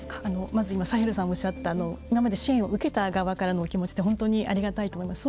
まず、今サヘルさんおっしゃった今まで支援を受けた側からのお気持ちって本当にありがたいと思います。